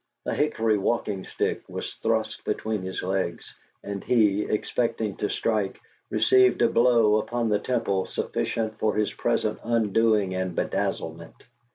A hickory walking stick was thrust between his legs; and he, expecting to strike, received a blow upon the temple sufficient for his present undoing and bedazzlement.